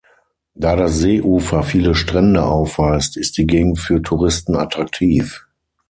Da das Seeufer viele Strände aufweist, ist die Gegend für Touristen attraktiv.